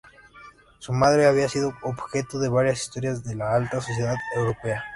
Su madre había sido objeto de varias historias de la alta sociedad europea.